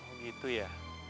oh gitu ya